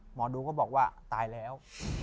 หมอดูก็บอกว่าตายแล้ว